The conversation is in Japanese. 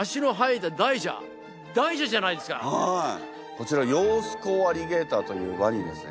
こちらヨウスコウアリゲーターというわにですね。